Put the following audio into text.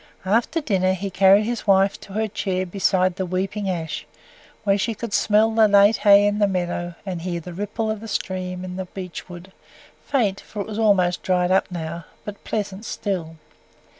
After dinner he carried his wife to her chair beside the weeping ash, where she could smell the late hay in the meadow, and hear the ripple of the stream in the beech wood faint, for it was almost dried up now, but pleasant still.